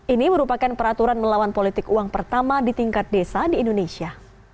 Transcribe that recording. ini merupakan peraturan melawan politik uang pertama di tingkat desa di indonesia